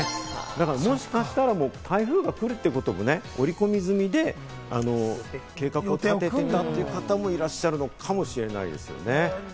もしかしたら台風が来るってことも織り込み済みで、計画を立てたという方もいらっしゃるのかもしれないですね。